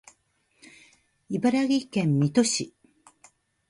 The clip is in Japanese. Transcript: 茨城県水戸市